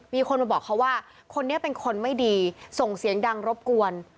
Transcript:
มีคนมาบอกเขาว่าคนนี้เป็นคนไม่ดีส่งเสียงดังรบกวน